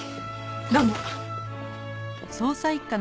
どうも。